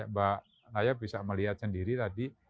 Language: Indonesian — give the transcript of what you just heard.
mbak naya bisa melihat sendiri tadi